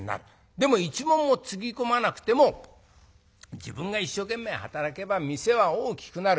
でも一文もつぎ込まなくても自分が一生懸命働けば店は大きくなる。